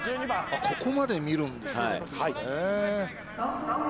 ◆ここまで見るんですね、へー。